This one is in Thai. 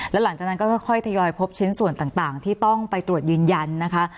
แล้วหลังจากนั้นก็ค่อยทยอยพบชิ้นส่วนต่างที่ต้องไปตรวจยืนยันนะคะ